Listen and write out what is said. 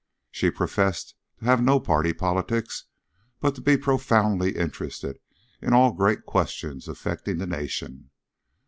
She professed to have no party politics, but to be profoundly interested in all great questions affecting the nation.